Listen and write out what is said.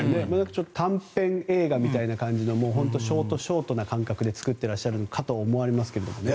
短編映画みたいな感じのショートショートな感覚で作ってらっしゃるかと思われますけどね。